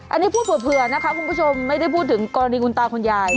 อันนี้พูดเผื่อนะคะคุณผู้ชมไม่ได้พูดถึงกรณีคุณตาคุณยาย